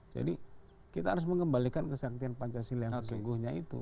jadi kita harus mengembalikan kesaktian pancasila yang sesungguhnya itu